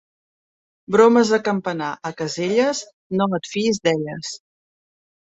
Bromes de Campanar a Caselles, no et fiïs d'elles.